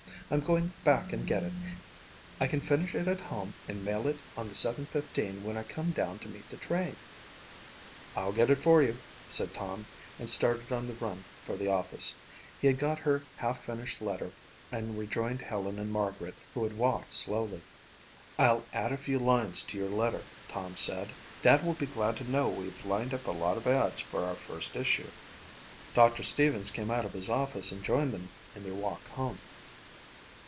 I'm going back and get it. I can finish it at home and mail it on the seven fifteen when I come down to meet the train." "I'll get it for you," said Tom and started on the run for the office. He got her half finished letter, and rejoined Helen and Margaret, who had walked slowly. "I'll add a few lines to your letter," Tom said. "Dad will be glad to know we've lined up a lot of ads for our first issue." Doctor Stevens came out of his office and joined them in their walk home.